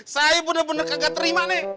saya bener bener gak terima nih